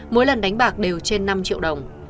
mỗi lần đánh bạc đều trên năm triệu đồng